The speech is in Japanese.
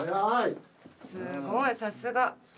すごいさすが！